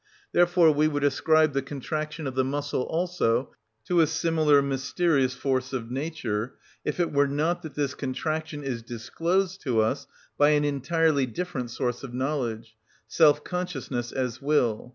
Therefore we would ascribe the contraction of the muscle also to a similar mysterious force of nature, if it were not that this contraction is disclosed to us by an entirely different source of knowledge—self consciousness as will.